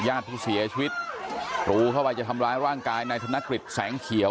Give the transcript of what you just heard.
ญาติที่เสียชีวิตกรูเข้าไปจะทำร้ายร่างกายนายธนกฤษแสงเขียว